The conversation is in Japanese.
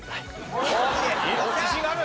自信がある？